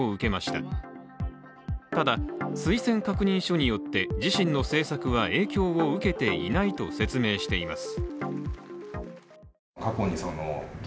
ただ、推薦確認書によって自身の政策は影響を受けていないと説明しています。